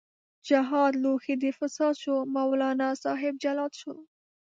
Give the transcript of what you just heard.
جهاد لوښی د فساد شو، مولانا صاحب جلاد شو